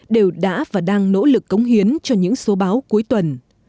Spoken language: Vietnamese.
đều đã và đang nỗ lực cống hiến cho những số báo cuối tuần